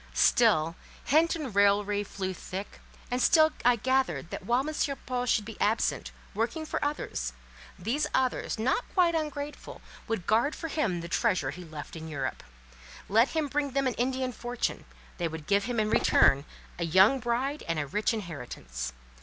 Still, hint and raillery flew thick, and still I gathered that while M. Paul should be absent, working for others, these others, not quite ungrateful, would guard for him the treasure he left in Europe. Let him bring them an Indian fortune: they would give him in return a young bride and a rich inheritance.